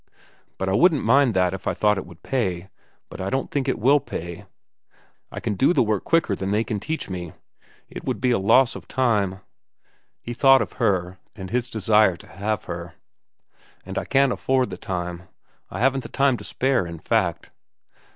But I wouldn't mind that if I thought it would pay. But I don't think it will pay. I can do the work quicker than they can teach me. It would be a loss of time—" he thought of her and his desire to have her—"and I can't afford the time. I haven't the time to spare, in fact."